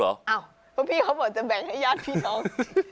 เพราะพี่เขาบอกจะแบ่งให้ญาติพี่น้อง